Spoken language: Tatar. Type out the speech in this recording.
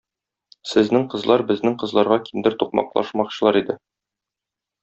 Сезнең кызлар безнең кызларга киндер тукмаклашмакчылар иде.